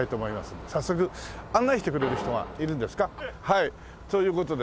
はいという事で。